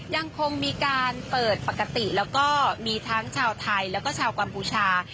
ยังคงมีการเปิดปกติแล้วก็มีทั้งชาวไทยแล้วก็ชาวกัมพูชา